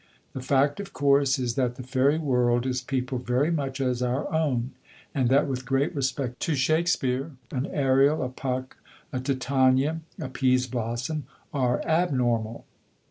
The fact, of course, is that the fairy world is peopled very much as our own, and that, with great respect to Shakespeare, an Ariel, a Puck, a Titania, a Peas blossom are abnormal.